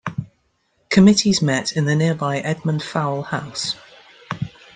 Committees met in the nearby Edmund Fowle House.